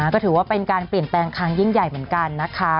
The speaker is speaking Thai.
ก็ถือว่าเป็นการเปลี่ยนแปลงครั้งยิ่งใหญ่เหมือนกันนะคะ